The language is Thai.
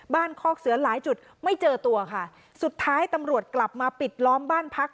คอกเสือหลายจุดไม่เจอตัวค่ะสุดท้ายตำรวจกลับมาปิดล้อมบ้านพัก